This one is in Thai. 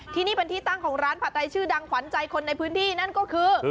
ที่นี่เป็นที่ตั้งของร้านผัดไทยชื่อดังขวัญใจคนในพื้นที่นั่นก็คือ